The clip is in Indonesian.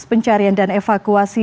pencarian dan evakuasi